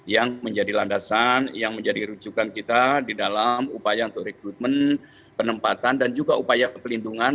yang menjadi landasan yang menjadi rujukan kita di dalam upaya untuk rekrutmen penempatan dan juga upaya pelindungan